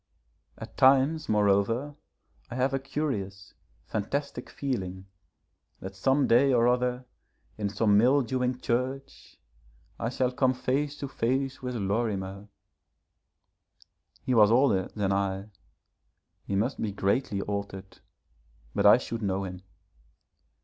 At times, moreover, I have a curious, fantastic feeling, that some day or other, in some mildewing church, I shall come face to face with Lorimer. He was older than I, he must be greatly altered, but I should know him.